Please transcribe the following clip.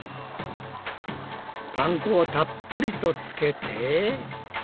パン粉をたっぷりとつけて。